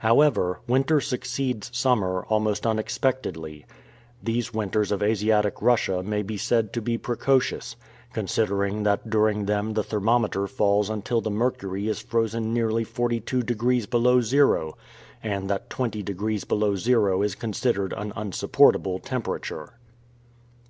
However, winter succeeds summer almost unexpectedly. These winters of Asiatic Russia may be said to be precocious, considering that during them the thermometer falls until the mercury is frozen nearly 42 degrees below zero, and that 20 degrees below zero is considered an unsupportable temperature.